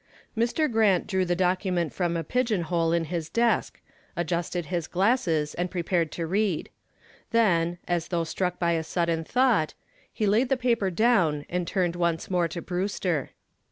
Mr. Grant drew the document from a pigeon hole in his desk, adjusted his glasses and prepared to read. Then, as though struck by a sudden thought, he laid the paper down and turned once more to Brewster.